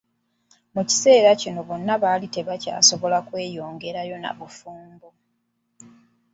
Mu kiseera kino bano baali tebakyasobola kweyongerayo na bufumbo.